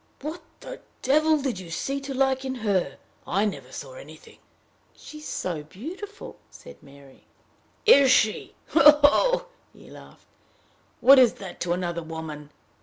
"What the devil did you see to like in her? I never saw anything!" "She is so beautiful!" said Mary. "Is she! ho! ho!" he laughed. "What is that to another woman!